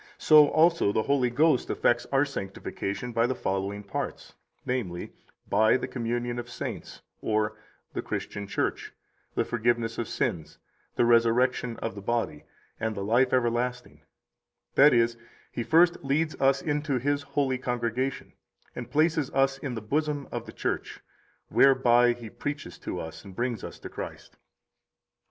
so also the Holy Ghost effects our sanctification by the following parts, namely, by the communion of saints or the Christian Church, the forgiveness of sins, the resurrection of the body, and the life everlasting; that is, He first leads us into His holy congregation, and places us in the bosom of the Church, whereby He preaches to us and brings us to Christ.